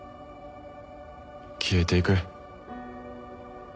消えていく。